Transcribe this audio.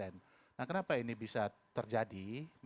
nah kenapa ini bisa terjadi